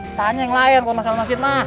tanya yang lain kalo masalah masjid mah